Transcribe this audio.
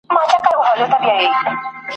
سپین باړخو دی لکه گل دی سر تر پایه د گل څانگه !.